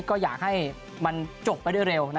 ก็อยากให้มันจบไปได้เร็ว